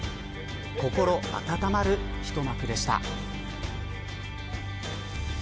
心温まる一幕でした。